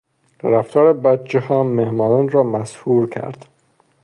رفتار بچهها مهمانان را مسحور کرد.